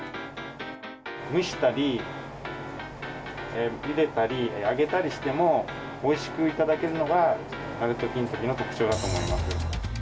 蒸したり、ゆでたり、揚げたりしても、おいしく頂けるのが、なると金時の特徴だと思います。